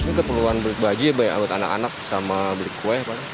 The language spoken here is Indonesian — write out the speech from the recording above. ini keperluan beli baju ya baik buat anak anak sama beli kue apa